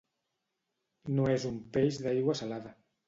No és un peix d'aigua salada.